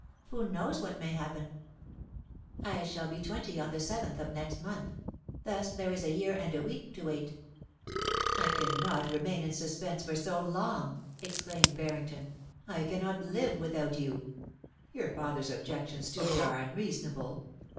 Who knows what may happen ? I shall be twenty on the 7th of next month. Thus, there is a year and a week to wait' *I cannot remain in suspense for so long,* exclaimed Barrington. *I cannot live without you. Your father's objections to me are unreasonable.